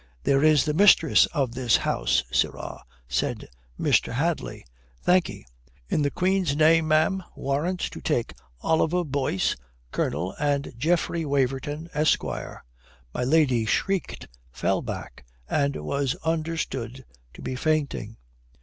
"There is the mistress of the house, sirrah," says Mr. Hadley "Thank'e. In the Queen's name, ma'am. Warrants to take Oliver Boyce, Colonel, and Geoffrey Waverton, Esquire." My lady shrieked, fell back, and was understood to be fainting.